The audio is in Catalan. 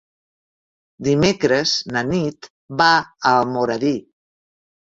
Dimecres na Nit va a Almoradí.